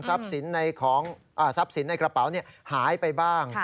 ทรัพย์สินในกระเป๋าหายไปบ้าง